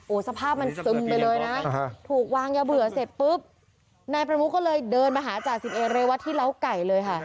สภาพมันซึมไปเลยนะถูกวางยาเบื่อเสร็จปุ๊บนายประมุกก็เลยเดินมาหาจ่าสิบเอเรวัตที่เล้าไก่เลยค่ะ